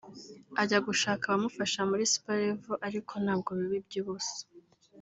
ajya gushaka abamufasha muri Super Level ariko nabwo biba iby’ubusa